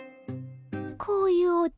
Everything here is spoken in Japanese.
こういうお茶